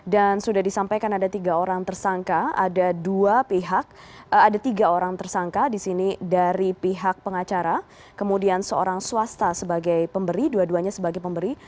dan sudah disampaikan ada tiga orang tersangka ada tiga orang tersangka disini dari pihak pengacara kemudian seorang swasta sebagai pemberi dua duanya sebagai pemberi